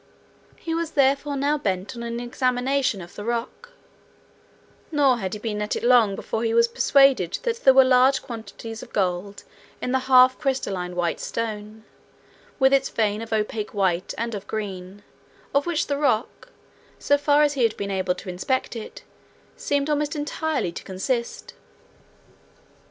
He was therefore now bent on an examination of the rock; nor had he been at it long before he was persuaded that there were large quantities of gold in the half crystalline white stone, with its veins of opaque white and of green, of which the rock, so far as he had been able to inspect it, seemed almost entirely to consist.